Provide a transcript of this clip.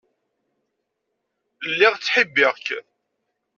Lliɣ ttḥibbiɣ-k.